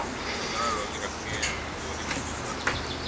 پندرہ روزے رکھے ہیں‘ اب کمزوری محسوس کر تا ہوں۔